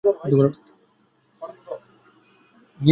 আমি দুঃখিত যে তোমাকে এসবে জড়াতে হলো।